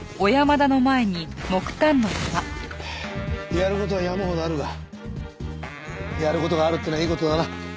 やる事は山ほどあるがやる事があるっていうのはいい事だな。